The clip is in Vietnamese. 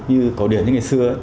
như có điểm như ngày xưa